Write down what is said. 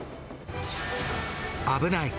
危ない！